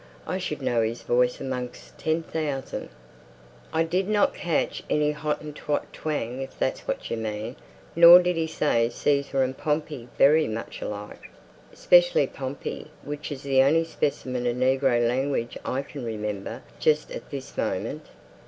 I should know his voice amongst ten thousand." "I didn't catch any Hottentot twang, if that's what you mean. Nor did he say, 'Cżsar and Pompey berry much alike, 'specially Pompey,' which is the only specimen of negro language I can remember just at this moment."